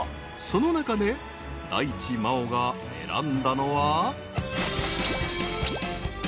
［その中で大地真央が選んだのは］